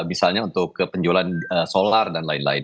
misalnya untuk penjualan solar dan lain lain